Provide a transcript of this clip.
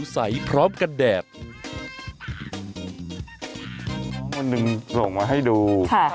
ส่วนหนึ่งส่งมาให้ดู